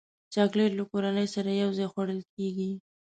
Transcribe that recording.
چاکلېټ له کورنۍ سره یوځای خوړل کېږي.